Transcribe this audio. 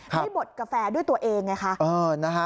ให้บดกาแฟด้วยตัวเองไงคะ